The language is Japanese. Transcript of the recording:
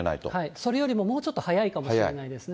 それよりももうちょっと早いかもしれないですね。